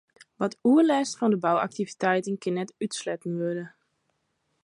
Wat oerlêst fan 'e bouaktiviteiten kin net útsletten wurde.